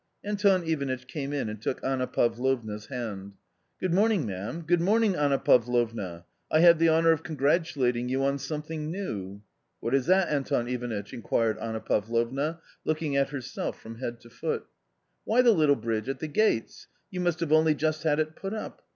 Anton Ivanitch came in and took Anna Pavlovna's hand. " Good morning, ma'am, good morning, Anna Pavlovna ! I have the honour of congratulating you on something new." "W T hat is that, Anton Ivanitch?" inquired Anna Pav lovna, looking at herself from head to foot. " Why the little bridge at the gates ! You must have only just had it put up.